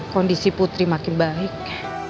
kondisi putri makin baik